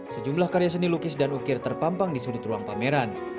sejumlah karya seni lukis dan ukir terpampang di sudut ruang pameran